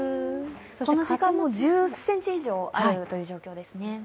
この時間、１０ｃｍ以上ある状況ですね。